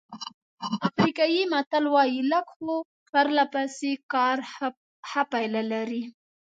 افریقایي متل وایي لږ خو پرله پسې کار ښه پایله لري.